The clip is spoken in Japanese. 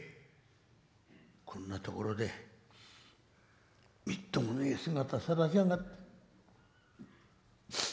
「こんなところでみっともねえ姿さらしやがって。